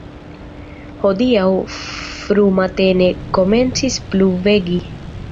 Hodiaŭ frumatene komencis pluvegi.